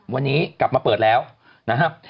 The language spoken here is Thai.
วันนี้กลับมาเปิดแล้วนะครับ